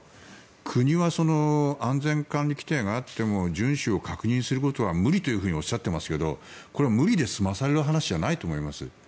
国は安全管理規程があっても順守を確認することは無理とおっしゃってますけどこれは無理で済まされる話じゃないと思っています。